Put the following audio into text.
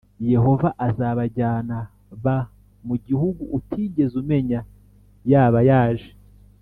Yehova azabajyana b mu gihugu utigeze umenya yaba yaje